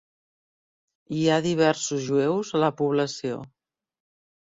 Hi ha diversos jueus a la població.